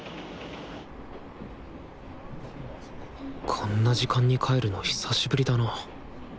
こんな時間に帰るの久しぶりだな。